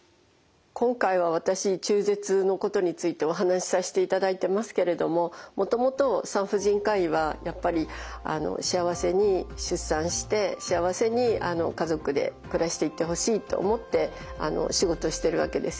今回は私中絶のことについてお話しさせていただいてますけれどももともと産婦人科医はやっぱり幸せに出産して幸せに家族で暮らしていってほしいと思って仕事してるわけですよね。